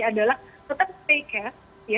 adalah tetap stay cash